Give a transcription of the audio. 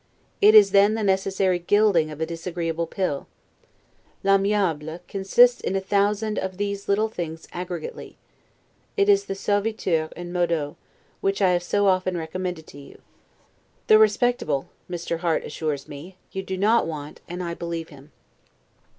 It is then the necessary gilding of a disagreeable pill. 'L'aimable' consists in a thousand of these little things aggregately. It is the 'suaviter in modo', which I have so often recommended to you. The respectable, Mr. Harte assures me, you do not want, and I believe him.